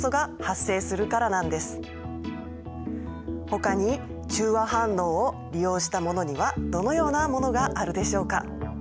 ほかに中和反応を利用したものにはどのようなものがあるでしょうか。